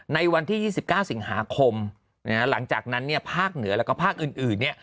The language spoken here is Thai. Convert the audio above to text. ในวันที่๒๙สิงหาคมหลังจากนั้นเนี่ยภาคเหนือแล้วก็ภาคอื่นเนี่ย